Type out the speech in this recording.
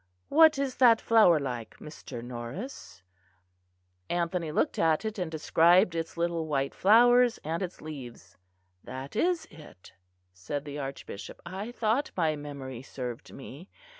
What is that flower like, Mr. Norris?" Anthony looked at it, and described its little white flower and its leaves. "That is it," said the Archbishop, "I thought my memory served me.